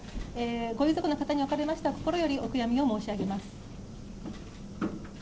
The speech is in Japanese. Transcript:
ご遺族の方におかれましては心よりお悔やみを申し上げます。